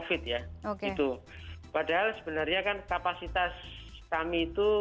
padahal sebenarnya kan kapasitas kami itu